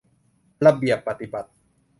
ระเบียบปฎิบัติ